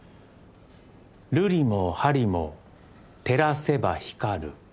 瑠璃も玻璃も照らせば光る。